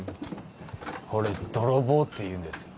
ほれ泥棒って言うんですよ